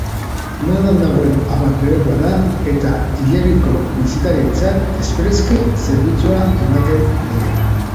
Maldan dagoen aparkalekua da eta hilerriko bisitarientzat espreski zerbitzua ematen diena.